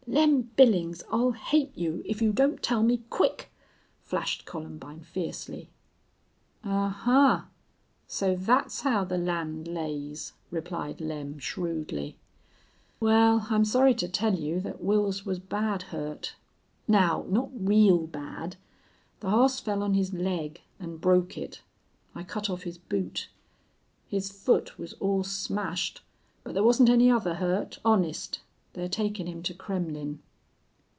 "Lem Billings, I'll hate you if you don't tell me quick," flashed Columbine, fiercely. "Ahuh! So thet's how the land lays," replied Lem, shrewdly. "Wal, I'm sorry to tell you thet Wils was bad hurt. Now, not real bad!... The hoss fell on his leg an' broke it. I cut off his boot. His foot was all smashed. But thar wasn't any other hurt honest! They're takin' him to Kremmlin'."